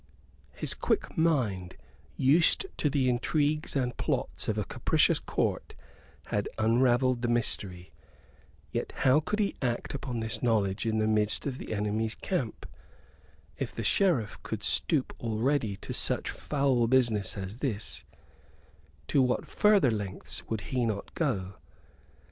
His quick mind, used to the intrigues and plots of a capricious Court, had unravelled the mystery. Yet how could he act upon this knowledge in the midst of the enemy's camp? If the Sheriff could stoop already to such foul business as this, to what further lengths would he not go?